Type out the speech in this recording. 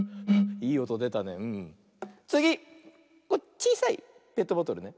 ちいさいペットボトルね。